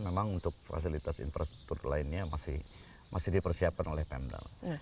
memang untuk fasilitas infrastruktur lainnya masih dipersiapkan oleh pemdal